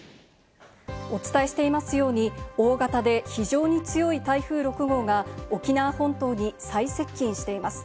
お伝えしていますように、大型で非常に強い台風６号が沖縄本島に最接近しています。